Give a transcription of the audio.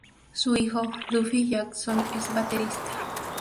Su hijo, Duffy Jackson, es baterista.